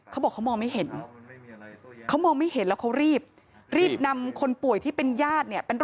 เขาบอกเขามองไม่เห็น